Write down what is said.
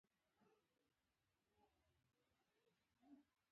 دا د هغو کسانو په پرتله چې لږ ورزش کوي ډېر زیات دی.